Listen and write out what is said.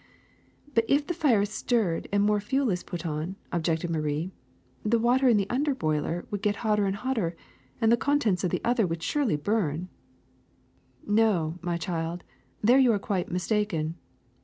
'' *^But if the fire is stirred and more fuel put on,'' objected Marie, ^Hhe water in the under boiler would get hotter and hotter, and the contents of the other surely would burn !'''' No, my child, there you are quite mistaken.